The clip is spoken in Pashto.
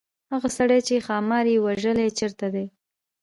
هغه سړی چې ښامار یې وژلی چيرته دی.